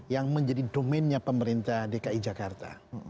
yang menjadi domennya pemerintah dki jakarta